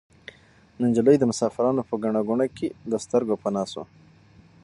نجلۍ د مسافرانو په ګڼه ګوڼه کې له سترګو پناه شوه.